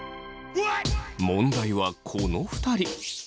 問題はこの２人。